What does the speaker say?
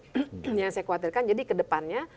ini yang saya khawatirkan jadi kedepannya